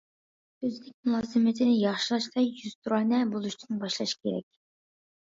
كۆزنەك مۇلازىمىتىنى ياخشىلاشتا« يۈزتۇرانە» بولۇشتىن باشلاش كېرەك.